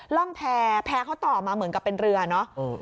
ร่องแพร่แพร่เขาต่อมาเหมือนกับเป็นเรือเนอะ